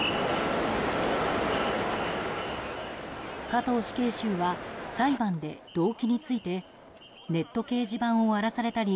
加藤死刑囚は裁判で動機についてネット掲示板を荒らされたり